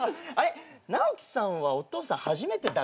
直毅さんはお父さん初めてだっけ？